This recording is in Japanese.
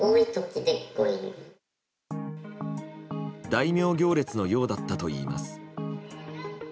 大名行列のようだったといいます。